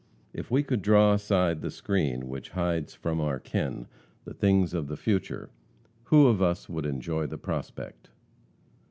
If we could draw aside the screen which hides from our ken the things of the future, who of us would enjoy the prospect?